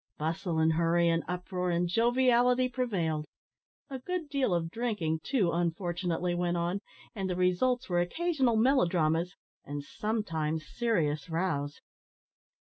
Bustle, and hurry, and uproar, and joviality prevailed. A good deal of drinking, too, unfortunately, went on, and the results were occasional melodramas, and sometimes serious rows.